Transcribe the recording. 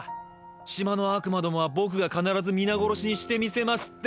島の悪魔どもはボクが必ず皆殺しにしてみせますってな。